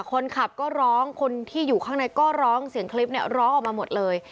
คนขับก็ร้องคนที่อยู่ข้างในก็ร้องเสียงคลิปเนี่ยร้องออกมาหมดเลย